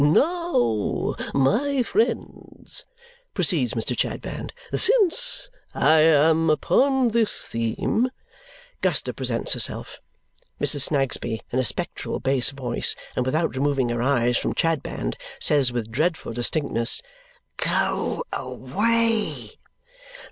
"Now, my friends," proceeds Mr. Chadband, "since I am upon this theme " Guster presents herself. Mrs. Snagsby, in a spectral bass voice and without removing her eyes from Chadband, says with dreadful distinctness, "Go away!"